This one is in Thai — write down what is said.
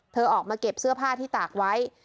เธอออกมาเก็บเสื้อผ้าที่ตากไว้